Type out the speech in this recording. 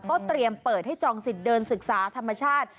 เตรียมเปิดให้จองสิทธิ์เดินศึกษาธรรมชาติ